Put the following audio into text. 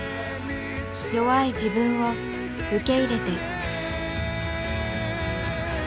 弱い自分を受け入れて。